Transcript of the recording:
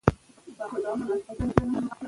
رېدي په خپل اس سپور د دښمن لیکو ته ورننوت.